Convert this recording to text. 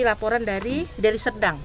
laporan dari sedang